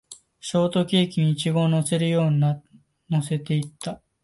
ショートケーキにイチゴを乗せるように乗せていった